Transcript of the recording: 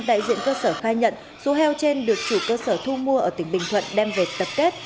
đại diện cơ sở khai nhận số heo trên được chủ cơ sở thu mua ở tỉnh bình thuận đem về tập kết